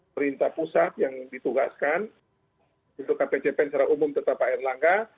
perintah pusat yang ditugaskan untuk kpcpen secara umum tetap pak erlangga